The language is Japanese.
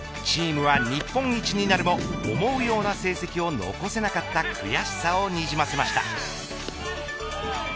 チームは日本一になるも思うような成績を残せなかった悔しさをにじませました。